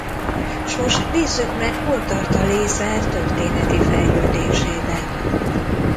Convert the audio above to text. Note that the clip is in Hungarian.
S most nézzük meg hol tart a lézer történeti fejlődésében.